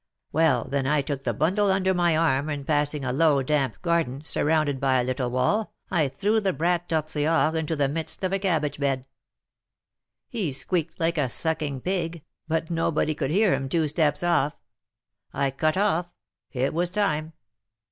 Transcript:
Well, then I took the bundle under my arm, and passing a low, damp garden, surrounded by a little wall, I threw the brat Tortillard into the midst of a cabbage bed. He squeaked like a sucking pig, but nobody could hear him two steps off. I cut off; it was time.